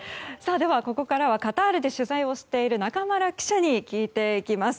ではここからは、カタールで取材をしている中丸記者に聞いていきます。